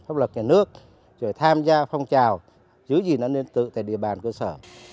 pháp luật nhà nước rồi tham gia phong trào giữ gì nó nên tự tại địa bàn cơ sở